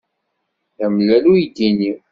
D amellal uydi-nni.